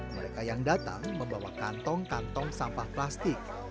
mereka yang datang membawa kantong kantong sampah plastik